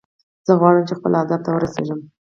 زه غواړم چې خپل هدف ته ورسیږم